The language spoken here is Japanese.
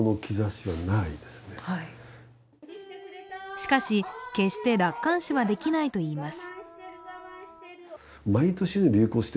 しかし、決して楽観視はできないといいます。